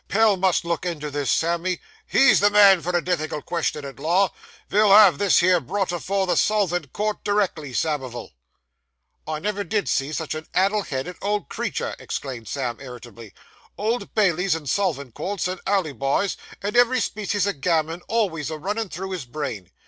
Pell must look into this, Sammy. He's the man for a difficult question at law. Ve'll have this here brought afore the Solvent Court, directly, Samivel.' 'I never did see such a addle headed old creetur!' exclaimed Sam irritably; 'Old Baileys, and Solvent Courts, and alleybis, and ev'ry species o' gammon alvays a runnin' through his brain.